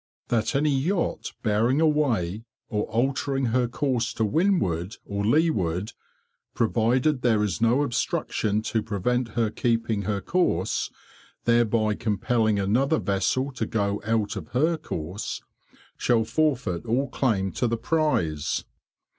"That any yacht bearing away or altering her course to windward or leeward, provided there is no obstruction to prevent her keeping her course, thereby compelling another vessel to go out of her course, shall forfeit all claim to the prize.